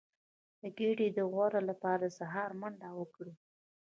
د ګیډې د غوړ لپاره د سهار منډه وکړئ